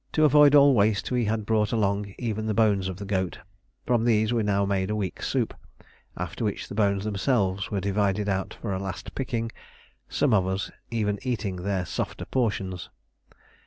To avoid all waste we had brought along even the bones of the goat; from these we now made a weak soup, after which the bones themselves were divided out for a last picking, some of us even eating their softer portions.